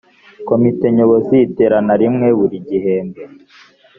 komite nyobozi iterana rimwe buri gihembwe